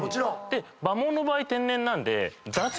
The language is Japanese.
で馬毛の場合天然なんで。